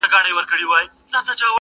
يو درس ګرځي ورو،